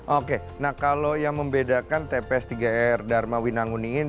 oke nah kalau yang membedakan tps tiga r dharma winanguningin